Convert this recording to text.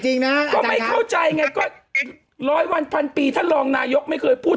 ก็ไม่เข้าใจไงก็ร้อยวันพันปีท่านรองนายกไม่เคยพูด